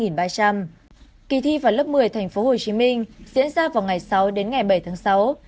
kỳ thi vào lớp một mươi tp hcm diễn ra vào ngày sáu đến ngày bảy tháng sáu